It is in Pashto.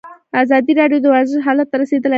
ازادي راډیو د ورزش حالت ته رسېدلي پام کړی.